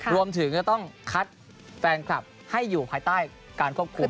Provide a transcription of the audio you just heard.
รวมถึงจะต้องคัดแฟนคลับให้อยู่ภายใต้การควบคุม